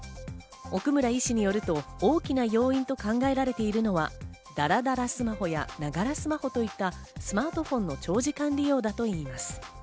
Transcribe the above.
奥村医師によると大きな要因と考えられているのは、だらだらスマホや、ながらスマホといったスマートフォンの長時間利用だといいます。